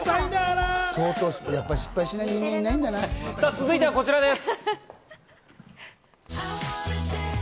続いてはこちらです。